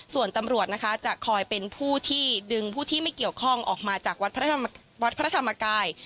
ส่วนตำรวจนะคะจะคอยเป็นผู้ที่ดึงผู้ที่ไม่เกี่ยวข้องออกมาจากวัดพระธรรมกาย